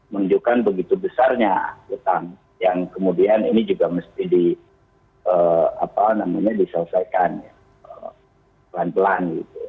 menunjukkan begitu besarnya utang yang kemudian ini juga mesti diselesaikan pelan pelan